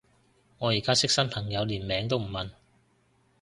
我而家識新朋友連名都唔問